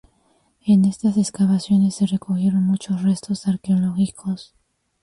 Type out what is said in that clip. En estas excavaciones se recogieron muchos restos arqueológicos.